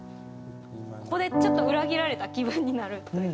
ここでちょっと裏切られた気分になるというか。